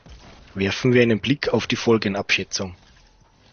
Werfen wir einen Blick auf die Folgenabschätzung.